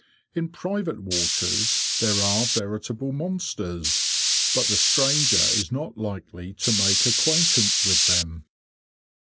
In private waters there are veritable monsters, but the stranger is not likely to make acquaintance with them.